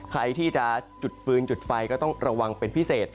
ใครที่จะจุดฟื้นจุดไฟก็ต้องระวังเป็นพิเศษ